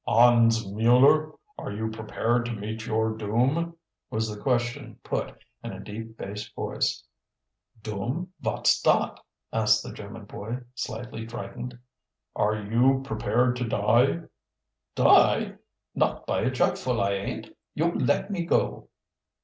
"Hans Mueller, are you prepared to meet your doom"? was the question put, in a deep bass voice. "Doom? Vot's dot?" asked the German boy, slightly frightened. "Are you prepared to die?" "Die? Not by a jugful I ain't. You let me go!"